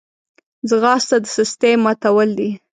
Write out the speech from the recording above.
ځغاسته د سستۍ ماتول دي